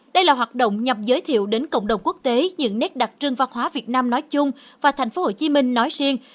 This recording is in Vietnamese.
đây là hoạt động nhập giới thiệu đến cộng đồng quốc tế những nét đặc trưng văn hóa việt nam nói chung và tp hcm nói riêng